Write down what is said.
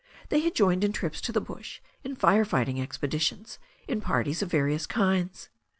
They had joined in trips to the bush, in fire fighting expeditions, in parties of various kinds.